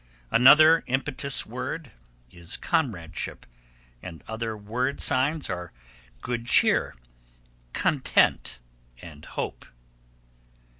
Another 'impetus word' is Comradeship, and other 'word signs' are Good Cheer, Content and Hope.